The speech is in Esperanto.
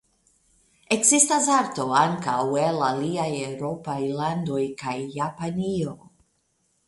Ekzistas arto ankaŭ el aliaj eŭropaj landoj kaj Japanio.